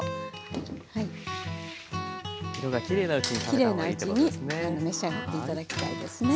きれいなうちに召し上がって頂きたいですね。